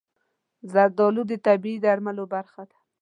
زردالو د طبیعي درملو برخه ده.